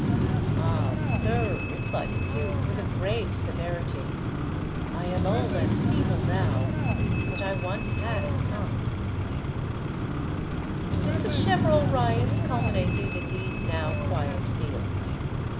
"Ah, sir," replied the duke, with a grave severity, "I am old and feeble now, but I once had a son." The Sacheverell riots culminated in these now quiet Fields.